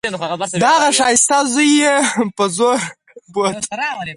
د هغه ښايسته زوى يې په زوره بوت.